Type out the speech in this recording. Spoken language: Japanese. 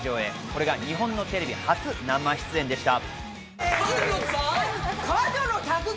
これが日本のテレビ初生出演でした。